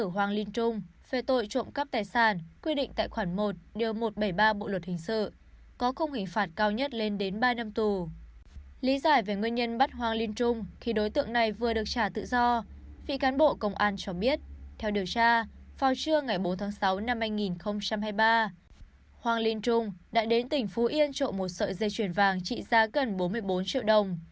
hoàng linh trung đã đến tỉnh phú yên trộm một sợi dây chuyển vàng trị giá gần bốn mươi bốn triệu đồng